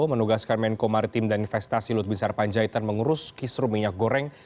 menugaskan menko maritim dan investasi lutbisar panjaitan mengurus kisru minyak goreng